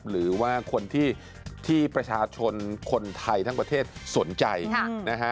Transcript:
หรือว่าคนที่ประชาชนคนไทยทั้งประเทศสนใจนะฮะ